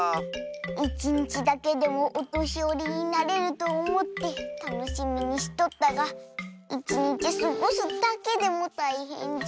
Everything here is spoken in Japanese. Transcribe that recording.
いちにちだけでもおとしよりになれるとおもってたのしみにしとったがいちにちすごすだけでもたいへんじゃ。